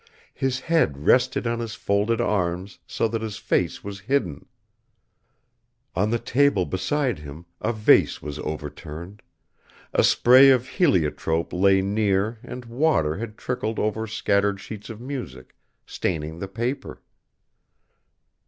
His head rested on his folded arms so that his face was hidden. On the table beside him a vase was overturned; a spray of heliotrope lay near and water had trickled over scattered sheets of music, staining the paper.